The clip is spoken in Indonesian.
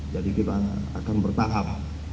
jadi kita akan bertahap